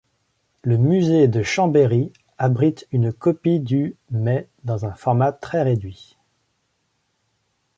Le musée de Chambéry abrite une copie du mais dans un format très réduit.